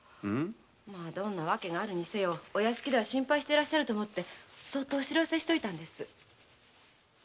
どんな訳があるにせよお屋敷では心配してらっしゃると思ってそっとお報せしといたんです。